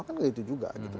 kan begitu juga gitu